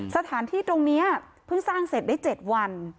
สถานที่ตรงนี้เพิ่งสร้างเสร็จได้๗วัน